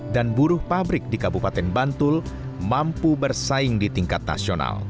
dan buruh pabrik di kabupaten bantul mampu bersaing di tingkat nasional